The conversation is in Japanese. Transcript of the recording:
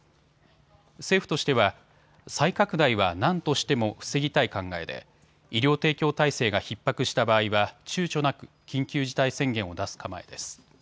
政府としては再拡大は何としても防ぎたい考えで医療提供体制がひっ迫した場合はちゅうちょなく緊急事態宣言を出す構えです。